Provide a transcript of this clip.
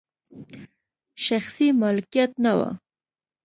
شخصي مالکیت نه و.